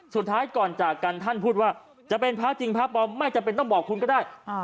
สุดท้ายก่อนจากกันท่านพูดว่าจะเป็นพระจริงพระบอมไม่จำเป็นต้องบอกคุณก็ได้